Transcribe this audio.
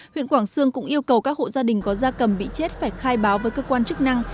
huyện quảng sương cũng yêu cầu các hộ gia đình có gia cầm bị chết phải khai báo với cơ quan chức năng